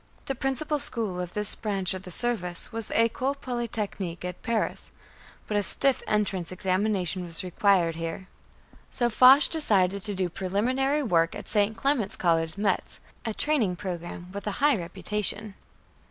The principal school of this branch of the service was the École Polytechnique, at Paris, but a stiff entrance examination was required here. So Foch decided to do preliminary work at St. Clement's College, Metz, a training school with a high reputation.